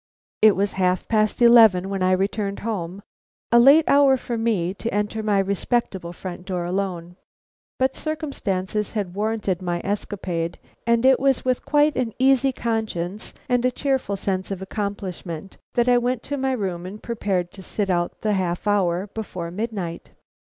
It was half past eleven when I returned home, a late hour for me to enter my respectable front door alone. But circumstances had warranted my escapade, and it was with quite an easy conscience and a cheerful sense of accomplishment that I went up to my room and prepared to sit out the half hour before midnight.